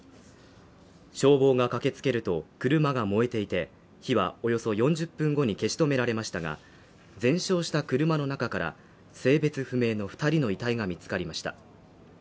消防が駆けつけると、車が燃えていて、火はおよそ４０分後に消し止められましたが、全焼した車の中から性別不明の２人の遺体が見つかりました。